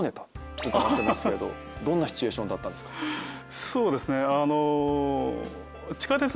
伺ってますけどどんなシチュエーションだったんですか？